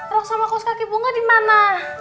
raksama kos kaki bunga dimana